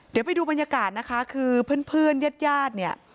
เดี๋ยวไปดูบรรยากาศนะคะคือเพื่อนญาติญาติเนี่ย